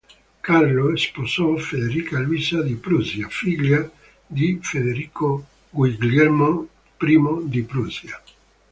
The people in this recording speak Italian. Carlo sposò Federica Luisa di Prussia, figlia di Federico Guglielmo I di Prussia.